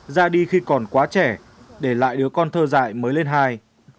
ra đi khi còn quá trẻ để lại đứa con thơ dạy mới lên hai